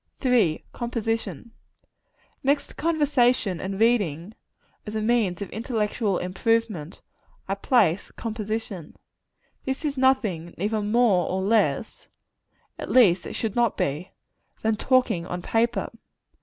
III. Composition. Next to conversation and reading, as a means of intellectual improvement, I place composition. This is nothing, either more or less at least it should not be than talking on paper.